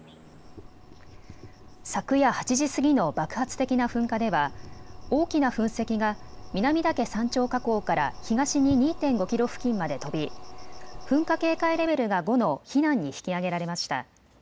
昨夜８時過ぎの爆発的な噴火では大きな噴石が南岳山頂火口から東に２．５キロ付近まで飛び噴火警戒レベルが５の避難に引き上げられました。